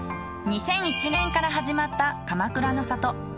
２００１年から始まったかまくらの里。